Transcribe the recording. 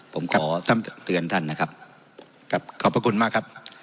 ผมขอท่านเตือนท่านนะครับครับขอบพระคุณมากครับ